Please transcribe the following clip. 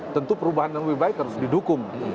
tentu perubahan yang lebih baik harus didukung